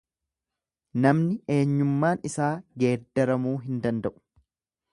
Namni eenyummaan isaa geeddaramuu hin danda'u.